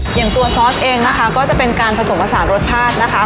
อย่างตัวซอสเองนะคะก็จะเป็นการผสมผสานรสชาตินะคะ